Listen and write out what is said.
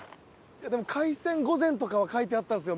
でも海鮮御膳とかは書いてあったんですよ